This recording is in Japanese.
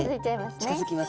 近づきます。